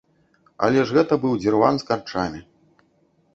Але ж гэта быў дзірван з карчамі.